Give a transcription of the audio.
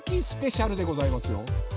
スペシャルでございますよ！